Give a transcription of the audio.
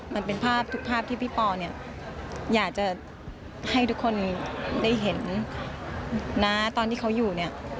มันเป็นภาพทุกภาพที่พี่ปอเนี่ยอยากจะให้ทุกคนได้เห็นนะตอนที่เขาอยู่เนี่ย